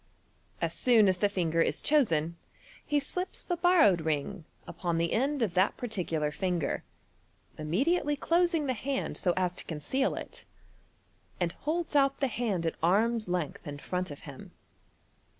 As soon as the finger is chosen, he slips the borrowed ring upon the end of that par ticular finger, immediately closing the hand so as to conceal it, and holds out the hand at arm's length in front of him.